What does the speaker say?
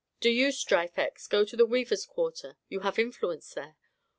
"Do you, Stryphex, go to the weavers' quarter; you have influence there.